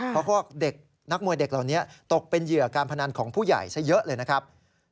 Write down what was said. เพราะพวกเด็กนักมวยเด็กเหล่านี้ตกเป็นเหยื่อการพนันของผู้ใหญ่ซะเยอะเลยนะครับ